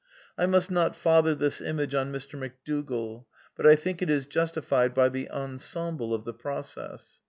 (I must not father this image on Mr. McDougall ; but I think it is justified by the en semble of the process.)